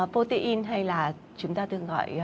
protein hay là chúng ta tương gọi đơn giản là chất đạm